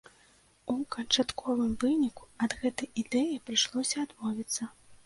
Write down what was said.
У канчатковым выніку, ад гэтай ідэі прыйшлося адмовіцца.